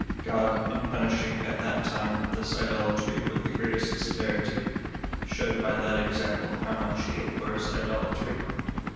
God, in punishing at that time this idolatry with the greatest severity, showed by that example how much he abhors idolatry.